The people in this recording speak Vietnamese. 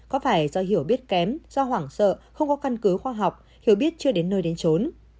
có phải do hiểu biết kém do hoảng sợ không có căn cứ khoa học hiểu biết chưa đến nơi đến trốn